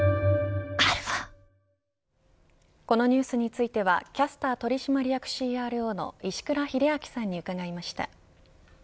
このニュースについてはキャスター取締役ＣＲＯの石倉秀明さんに伺いました。